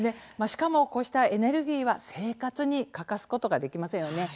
しかもこうしたエネルギーは生活に欠かすことができませんよね。